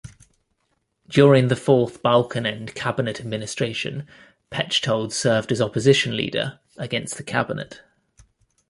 During the Fourth Balkenende cabinet administration Pechtold served as opposition leader against the cabinet.